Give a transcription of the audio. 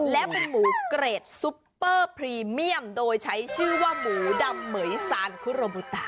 และเป็นหมูเกรดซุปเปอร์พรีเมียมโดยใช้ชื่อว่าหมูดำเหม๋ยซานคุโรบุตะ